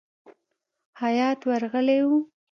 هیات ورغلی وو.